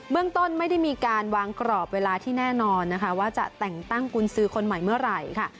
เรื่องต้นไม่ได้มีการวางกรอบเวลาที่แน่นอนนะคะว่าจะแต่งตั้งกุญสือคนใหม่เมื่อไหร่ค่ะ